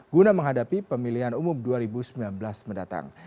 guna menghadapi pemilihan umum dua ribu sembilan belas mendatang